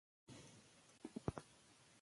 زده کړې نجونې د خلکو ترمنځ تفاهم ساتي.